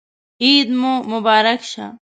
عید مو مبارک شه